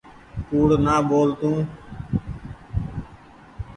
ڪوڙ نآ ٻول تو۔